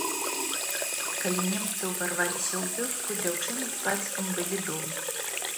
Калі немцы ўварваліся ў вёску, дзяўчына з бацькам былі дома.